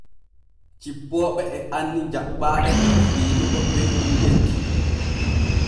Cippooɓe e anni jaɓɓaaɗe e fiinigo belɗum lekki.